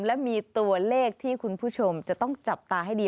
และมีตัวเลขที่คุณผู้ชมจะต้องจับตาให้ดี